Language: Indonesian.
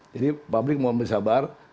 jadi publik mohon bersabar